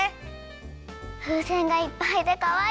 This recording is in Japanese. ふうせんがいっぱいでかわいい！